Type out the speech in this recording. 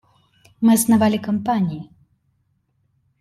Мы основали компании.